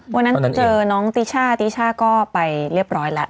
วันนั้นเจอน้องติช่าติช่าก็ไปเรียบร้อยแล้ว